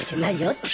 って。